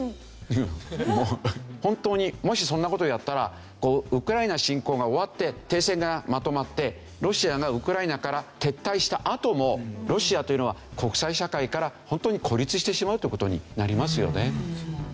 本当にもしそんな事をやったらウクライナ侵攻が終わって停戦がまとまってロシアがウクライナから撤退したあともロシアというのは国際社会から本当に孤立してしまうという事になりますよね。